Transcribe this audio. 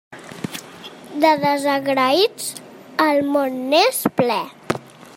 De desagraïts el món n'és ple.